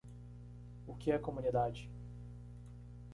O que é Comunidade.